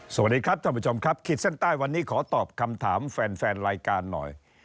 สวัสดีครับท่านผู้ชมครับขีดเส้นใต้วันนี้ขอตอบคำถามแฟนแฟนรายการหน่อย